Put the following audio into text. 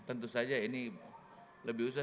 tentu saja ini lebih susah